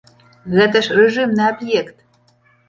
Гэта ж рэжымны аб'ект!